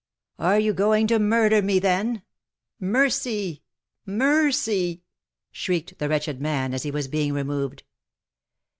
"Are you going to murder me, then? Mercy! mercy!" shrieked the wretched man, as he was being removed.